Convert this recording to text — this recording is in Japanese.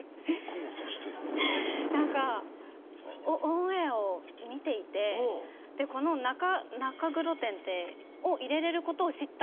なんかオンエアを見ていてでこの中黒点を入れられる事を知ったんですよ。